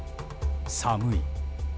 寒い。